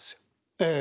ええ。